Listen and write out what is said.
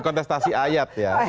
kontestasi ayat ya